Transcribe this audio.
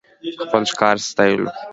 خپل ښکار ستايلو .